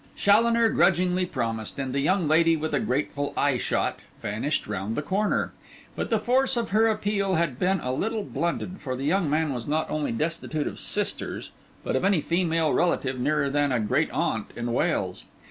Challoner grudgingly promised; and the young lady, with a grateful eye shot, vanished round the corner. But the force of her appeal had been a little blunted; for the young man was not only destitute of sisters, but of any female relative nearer than a great aunt in Wales.